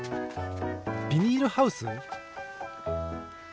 ビニールハウス？